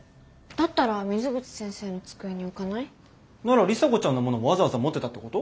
だったら水口先生の机に置かない？なら里紗子ちゃんのものをわざわざ持ってたってこと？